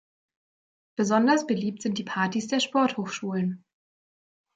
Besonders beliebt sind die Partys der Sporthochschulen.